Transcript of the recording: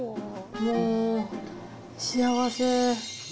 もう、幸せ。